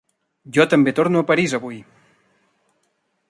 Jo també torno a París avui.